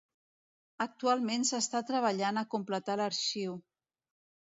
Actualment s'està treballant a completar l'arxiu.